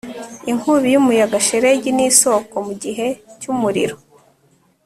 inkubi y'umuyaga, shelegi, n'isoko mugihe cyumuriro